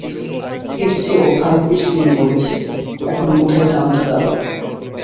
এরচেয়েও খারাপ কিছু দিয়ে করেছি, এখন, মুখের গামটা দাও।